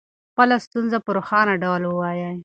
خپله ستونزه په روښانه ډول ووایئ.